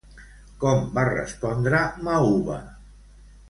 Com va respondre Mauva?